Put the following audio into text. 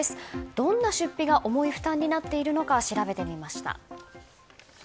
どんな出費が重い負担になっているのか調べてみました。